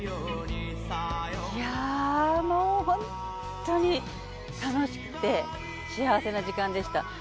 いやもう本当に楽しくて幸せな時間でした。